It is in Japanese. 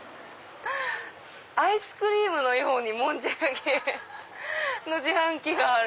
アイスクリームのようにもんじゃ焼きの自販機がある。